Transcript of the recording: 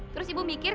terus ibu mikir